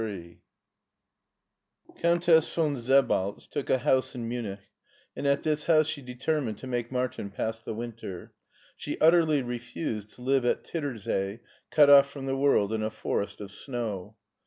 CHAPTER XXXIII COUNTESS VON SEBALTZ took a house in Munich, and at this house she determined to make Martin pass the winter. She utterly re fused to live at Tittersee, cut off from the world in a forest of snow.